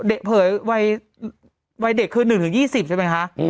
เด็กเผยวัยเด็กคือ๑๒๐ใช่มั้ยคะ